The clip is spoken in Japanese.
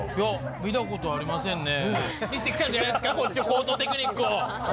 見たことありませんね。